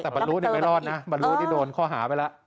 แต่บรรลุไม่รอดนะบรรลุนี่โดนข้อหาไปแล้ว